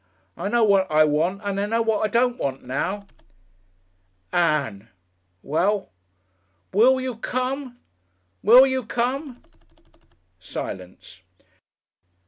I know what I want and I know what I don't want now." "Ann!" "Well?" "Will you come?... Will you come?..." Silence.